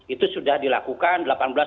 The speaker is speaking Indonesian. itu sudah dilakukan